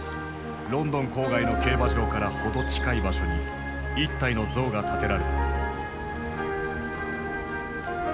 ロンドン郊外の競馬場から程近い場所に一体の像が建てられた。